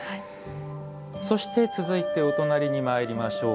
そして、続いてお隣にまいりましょう。